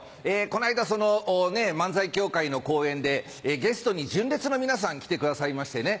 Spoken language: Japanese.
この間その漫才協会の公演でゲストに純烈の皆さん来てくださいましてね。